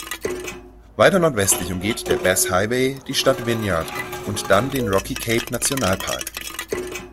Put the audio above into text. Weiter nordwestlich umgeht der Bass Highway die Stadt Wynyard und dann den Rocky-Cape-Nationalpark.